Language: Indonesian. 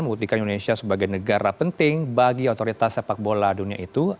membuktikan indonesia sebagai negara penting bagi otoritas sepak bola dunia itu